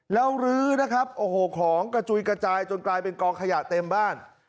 แล้วลื้อนะครับโอ้โหของกระจุยกระจายจนกลายเป็นกองขยะเต็มบ้าน